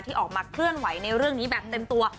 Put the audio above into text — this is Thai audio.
ออกมาเคลื่อนไหวในเรื่องนี้แบบเต็มตัว